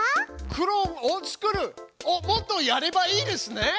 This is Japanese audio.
「クローンを作る」をもっとやればいいですね！